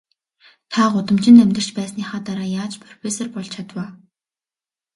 Та гудамжинд амьдарч байсныхаа дараа яаж профессор болж чадав аа?